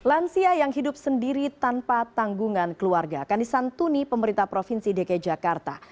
lansia yang hidup sendiri tanpa tanggungan keluarga akan disantuni pemerintah provinsi dki jakarta